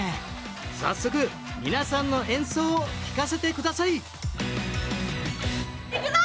早速皆さんの演奏を聴かせてくださいいくぞ！